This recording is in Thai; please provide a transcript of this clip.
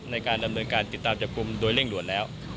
ในการดำเนินการติดตามจับกลุ่มโดยเร่งด่วนแล้ว